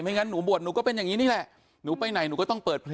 งั้นหนูบวชหนูก็เป็นอย่างนี้นี่แหละหนูไปไหนหนูก็ต้องเปิดเพลง